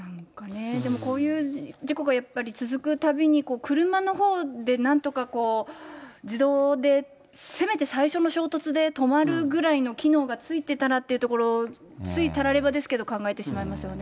でもこういう事故がやっぱり続くたびに、車のほうでなんとかこう、自動で、せめて最初の衝突で止まるぐらいの機能がついてたらっていうところ、ついたらればですけど、考えてしまいますよね。